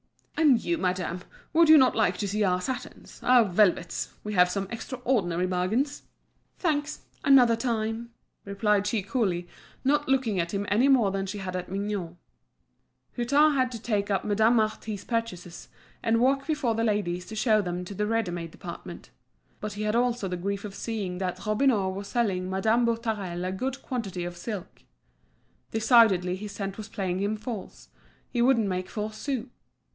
"And you, madame, would you not like to see our satins, our velvets? We have some extraordinary bargains." "Thanks, another time," replied she coolly, not looking at him any more than she had at Mignot. Hutin had to take up Madame Marty's purchases and walk before the ladies to show them to the ready made department But he had also the grief of seeing that Robineau was selling Madame Boutarel a good quantity of silk. Decidedly his scent was playing him false, he wouldn't make four sous.